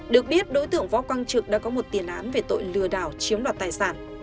được biết đối tượng võ quang trực đã có một tiền án về tội lừa đảo chiếm đoạt tài sản